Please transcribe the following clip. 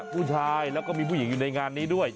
ผู้ชายแล้วก็มีผู้หญิงอยู่ในงานนี้ด้วย